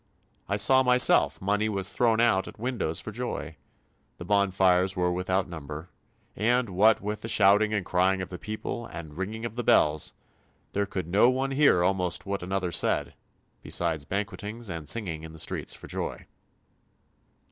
I saw myself money was thrown out at windows for joy. The bonfires were without number, and, what with shouting and crying of the people and ringing of the bells, there could no one hear almost what another said, besides banquetings and singing in the street for joy."